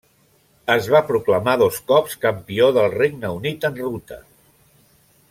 Es va proclamar dos cops campió del Regne Unit en ruta.